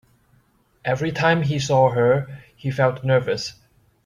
Every time he saw her, he felt nervous.